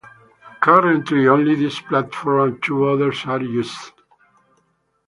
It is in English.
Currently, only this platform and two others are used.